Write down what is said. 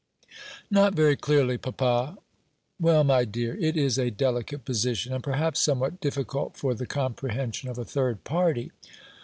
"Not very clearly, papa." "Well, my dear, it is a delicate position, and perhaps somewhat difficult for the comprehension of a third party.